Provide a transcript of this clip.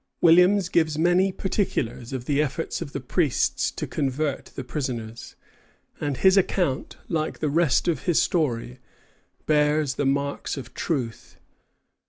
Williams gives many particulars of the efforts of the priests to convert the prisoners, and his account, like the rest of his story, bears the marks of truth.